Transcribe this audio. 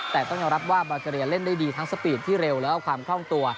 แต่ต้องยอมรับว่าบาเกรียเล่นได้ดีทั้งสปีดที่เร็วแล้วก็ความคล่องตัว